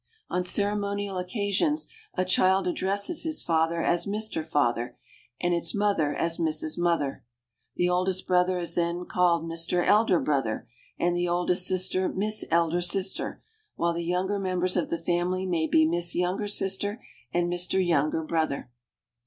On ceremonial occasions a child addresses its father as Mr. Father, and its mother as Mrs. Mother. The oldest brother is then called Mr. Elder Brother, and the oldest sister Miss Elder Sister, w T hile the younger members of the family may be Miss Younger Sister and Mr. Younger Brother.